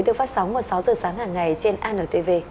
được phát sóng vào sáu giờ sáng hàng ngày trên antv